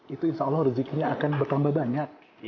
itu insya allah rezekinya akan bertambah banyak